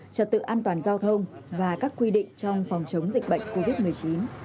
trật tự an toàn giao thông và các quy định trong phòng chống dịch bệnh covid một mươi chín